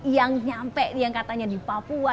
yang nyampe yang katanya di papua